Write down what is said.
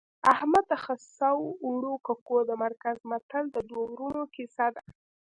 احمد د خسو د اوړو ککو د مرکو متل د دوو ورونو کیسه ده